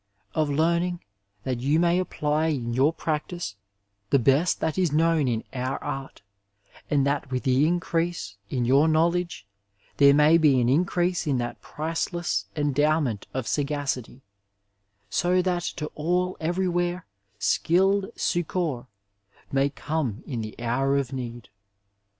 Of learning, that you may apply in your practice the best that is known in our art, and that with the increase in your knowledge there may be an increase in that pricelesB en dowment of sagacity, so that to all, everywhere^ skilled succour may come in the hour of need.